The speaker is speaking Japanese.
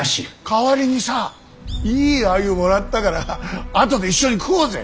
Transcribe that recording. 代わりにさいい鮎もらったから後で一緒に食おうぜ。